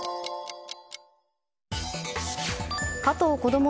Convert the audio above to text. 加藤こども